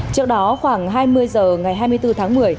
trước đó khoảng hai mươi h ngày hai mươi bốn tháng một mươi